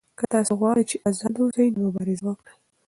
که تاسو غواړئ چې آزاد اوسئ نو مبارزه وکړئ.